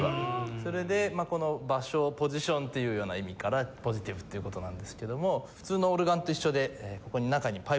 それでこの場所をポジションっていうような意味からポジティブっていう事なんですけども普通のオルガンと一緒で中にパイプがいっぱい入ってます。